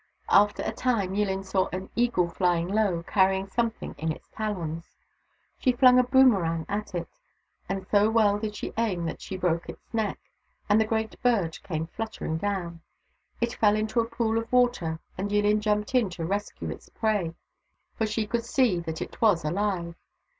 After a time, Yillin saw an eagle flying low, carrying some thing in its talons. She flung a boomerang at it, and so well did she aim that she broke its neck, and the great bird came fluttering down. It fell into a pool of water and Yillin jumped in to rescue its prey, for she could see that it was alive.